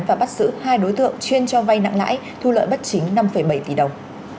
và bắt giữ hai đối tượng chuyên cho vay nặng lãi thu lợi bất chính năm bảy tỷ đồng